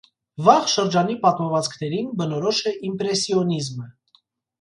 Վաղ շրջանի պատմվածքներին բնորոշ է իմպրեսիոնիզմը։